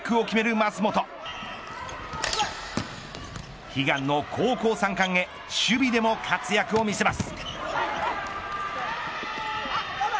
舛本悲願の高校三冠へ守備でも活躍を見せます。